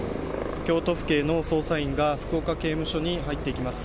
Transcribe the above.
京都府警の捜査員が、福岡刑務所に入っていきます。